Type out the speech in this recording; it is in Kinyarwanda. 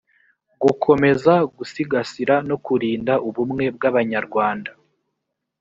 gukomeza gusigasira no kurinda ubumwe bw abanyarwanda